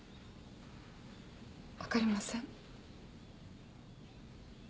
分かりません。